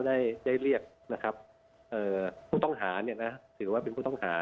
ได้เรียกผู้ต้องหาถือเป็นผู้ต้องหา